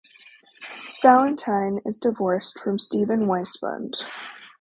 Valentine is divorced from Steven Weisburd.